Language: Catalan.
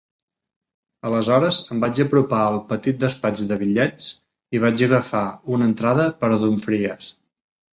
Aleshores em vaig apropar al petit despatx de bitllets i vaig agafar una entrada per a Dumfries.